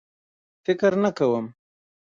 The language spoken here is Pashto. فکر نه کوم.